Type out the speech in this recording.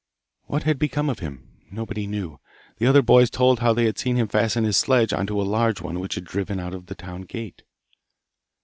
What had become of him? Nobody knew. The other boys told how they had seen him fasten his sledge on to a large one which had driven out of the town gate.